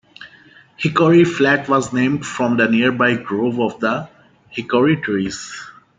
Hickory Flat was named from a nearby grove of hickory trees.